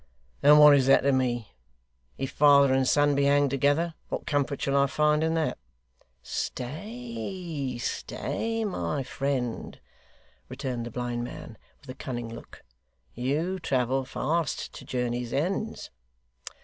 'And what is that to me? If father and son be hanged together, what comfort shall I find in that?' 'Stay stay, my friend,' returned the blind man, with a cunning look, 'you travel fast to journeys' ends.